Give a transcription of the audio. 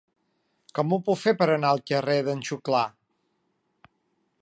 Com ho puc fer per anar al carrer d'en Xuclà?